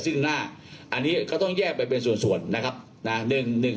ซึ่งหน้าอันนี้ก็ต้องแยกไปเป็นส่วนส่วนนะครับน่าหนึ่งหนึ่ง